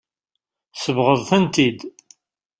Tsebɣeḍ-tent-id.